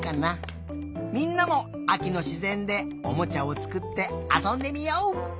みんなもあきのしぜんでおもちゃをつくってあそんでみよう！